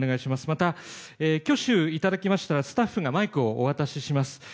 また、挙手いただきましたらスタッフがマイクをお渡しします。